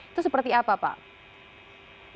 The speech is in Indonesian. itu seperti apa pak